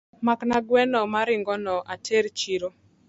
Makna gweno maringoni ater chiro.